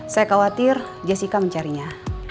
saya khawatir jessica mencarinya